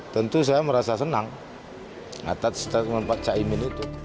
tentu saya merasa senang atas statement pak caimin itu